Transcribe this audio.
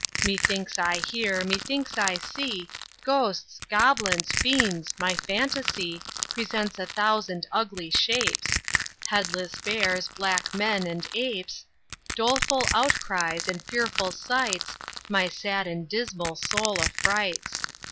Methinks I hear, methinks I see Ghosts, goblins, fiends; my phantasy Presents a thousand ugly shapes, Headless bears, black men, and apes, Doleful outcries, and fearful sights, My sad and dismal soul affrights.